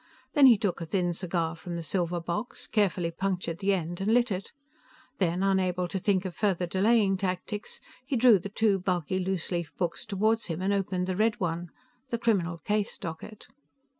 Then he took a thin cigar from the silver box, carefully punctured the end and lit it. Then, unable to think of further delaying tactics, he drew the two bulky loose leaf books toward him and opened the red one, the criminal case docket.